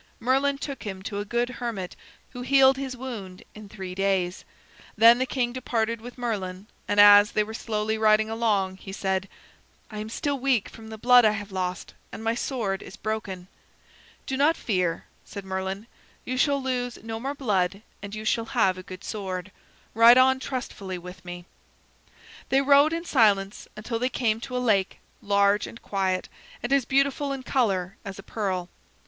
Merlin took him to a good hermit who healed his wound in three days. Then the king departed with Merlin, and as they were slowly riding along he said: "I am still weak from the blood I have lost, and my sword is broken." "Do not fear," said Merlin. "You shall lose no more blood and you shall have a good sword. Ride on trustfully with me." They rode in silence until they came to a lake, large and quiet, and as beautiful in color as a pearl.